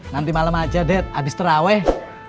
nanti malem aja dad abis teraweh